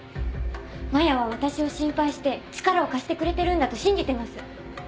真矢は私を心配して力を貸してくれてるんだと信じてます。